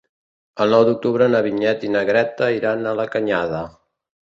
El nou d'octubre na Vinyet i na Greta iran a la Canyada.